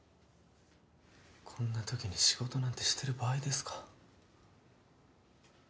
こんなときに仕事なんてしてる場合ですか？